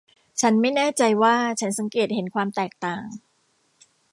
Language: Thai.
ฉันไม่แน่ใจว่าฉันสังเกตเห็นความแตกต่าง